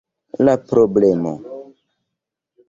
La problemo.